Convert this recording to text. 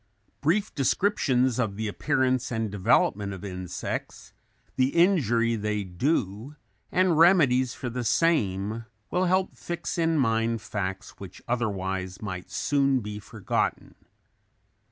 Brief descriptions of the appearance and development of insects, the injury they do, and remedies for the same, will help fix in mind facts which otherwise might soon be forgotten.